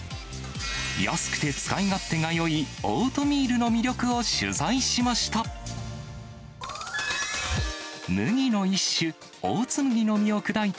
安くて使い勝手がよいオートミールの魅力を取材しました。